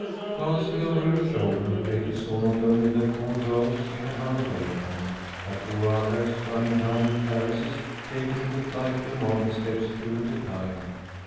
Glancing over her shoulder, Betty saw, not only the four girls she had run away from, but four others, running down the terraces, taking the flight of marble steps two at a time.